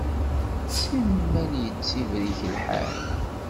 Simmal yettibrik lḥal.